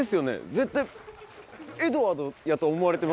絶対。